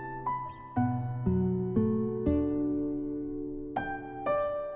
saya ingin mencari pekerjaan untuk kamu